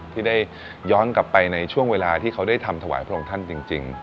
ที่ได้ย้อนกลับไปในช่วงเวลาที่เขาได้ทำถวายพระองค์ท่านจริง